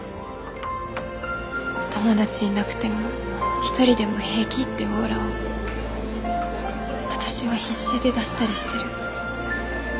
友達いなくてもひとりでも平気ってオーラを私は必死で出したりしてる。